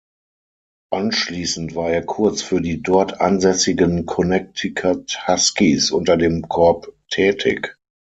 Anschließend war er kurz für die dort ansässigen "Connecticut Huskies" unter dem Korb tätig.